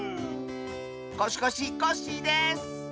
コシコシコッシーです！